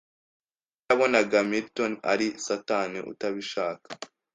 ku buryo yabonaga Milton ari Satani utabishaka